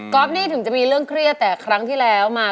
นี่ถึงจะมีเรื่องเครียดแต่ครั้งที่แล้วมา